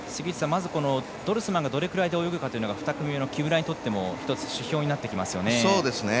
ドルスマンがどれぐらいで泳ぐかというのが木村にとっても１つ指標になってきますよね。